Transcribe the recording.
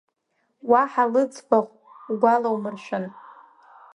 Уаҳа лыӡбахә угәалаумыршәан.